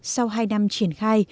sau hai năm triển khai